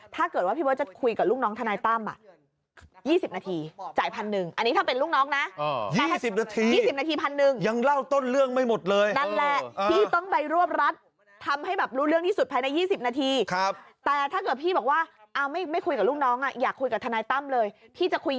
ถ้าเกิดว่าพี่เบิร์ตจะคุยกับลูกน้องทนายต้ำ